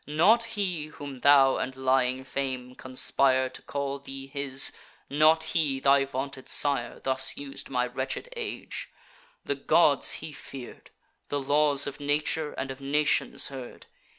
Not he, whom thou and lying fame conspire To call thee his; not he, thy vaunted sire, Thus us'd my wretched age: the gods he fear'd, The laws of nature and of nations heard.